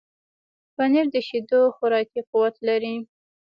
پنېر د شیدو خوراکي قوت لري.